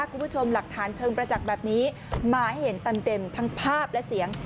คุณผู้ชมหลักฐานเชิงประจักษ์แบบนี้มาให้เห็นเต็มทั้งภาพและเสียง